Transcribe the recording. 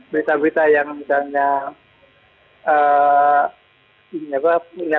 berita berita yang misalnya